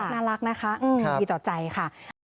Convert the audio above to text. น่ารักนะคะดีต่อใจค่ะ